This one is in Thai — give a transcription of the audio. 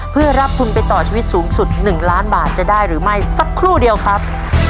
เพื่อรับทุนไปต่อชีวิตสูงสุด๑ล้านบาทจะได้หรือไม่สักครู่เดียวครับ